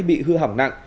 bị hư hỏng nặng